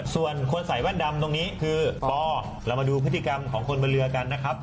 ส่วนคนใส่แว่นดำตรงนี้คือปอเรามาดูพฤติกรรมของคนบนเรือกันนะครับ